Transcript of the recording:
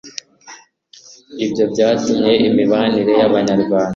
ibyo byatumye imibanire y'abanyarwanda